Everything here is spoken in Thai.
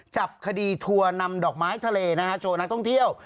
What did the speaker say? จับคดีทัวร์นำดอกไม้ทะเลนะฮะโชว์นักท่องเที่ยว